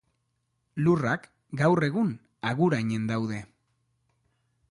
Lurrak, gaur egun, Agurainen daude.